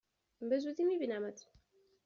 به زودی می بینمت!